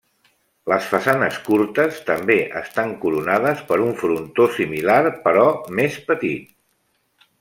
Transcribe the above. Les façanes curtes també estan coronades per un frontó similar però més petit.